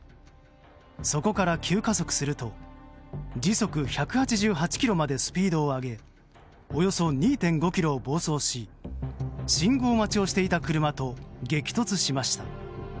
そこから急加速すると時速１８８キロまでスピードを上げおよそ２．５ｋｍを暴走し信号待ちをしていた車と激突しました。